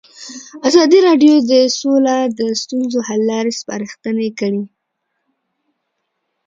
ازادي راډیو د سوله د ستونزو حل لارې سپارښتنې کړي.